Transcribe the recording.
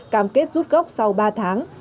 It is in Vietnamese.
cam kết rút gốc sau ba tháng